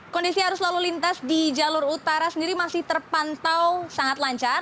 kondisi arus lalu lintas di jalur utara sendiri masih terpantau sangat lancar